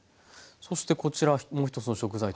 そしてこちらもう一つの食材